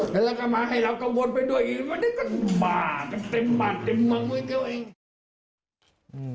บ้าเต็มบาทเต็มมังไม่เที่ยวเอง